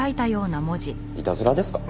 いたずらですか？